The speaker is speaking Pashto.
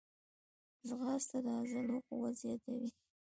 ځغاسته د عضلو قوت زیاتوي